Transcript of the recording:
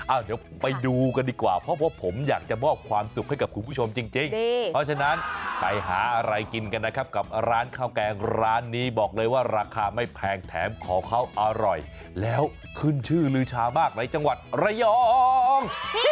เดี๋ยวไปดูกันดีกว่าเพราะว่าผมอยากจะมอบความสุขให้กับคุณผู้ชมจริงเพราะฉะนั้นไปหาอะไรกินกันนะครับกับร้านข้าวแกงร้านนี้บอกเลยว่าราคาไม่แพงแถมของเขาอร่อยแล้วขึ้นชื่อลือชามากในจังหวัดระยอง